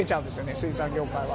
水産業界は。